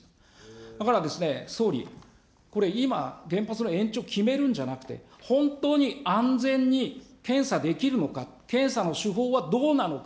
だから総理、これ、今、原発の延長決めるんじゃなくて、本当に安全に検査できるのか、検査の手法はどうなるか。